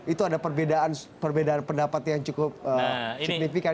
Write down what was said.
itu ada perbedaan pendapat yang cukup signifikan